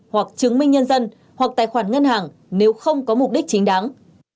hoặc chứng minh nhân dân hoặc tài khoản ngân hàng nếu không có mục đích chính đáng